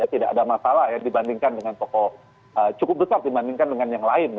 tidak ada masalah ya dibandingkan dengan tokoh cukup besar dibandingkan dengan yang lain